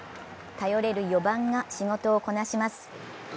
頼れる４番が仕事をこなします。